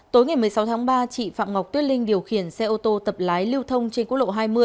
tối ngày một mươi sáu tháng ba chị phạm ngọc tuyết linh điều khiển xe ô tô tập lái lưu thông trên quốc lộ hai mươi